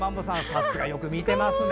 さすがよく見ていますね。